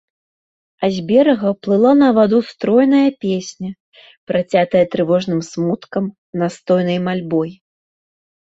А з берага плыла на ваду стройная песня, працятая трывожным смуткам, настойнай мальбой.